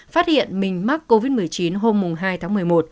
phát hiện mình mắc covid một mươi chín hôm hai tháng một mươi một